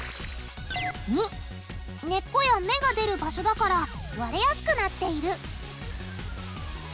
②根っこや芽が出る場所だから割れやすくなっている。